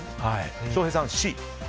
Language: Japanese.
翔平さんはＣ。